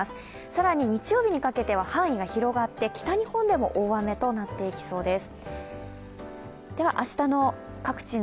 更に日曜日にかけては範囲が広がって北日本でも大雨となっていきそうです。